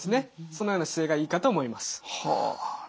そのような姿勢がいいかと思います。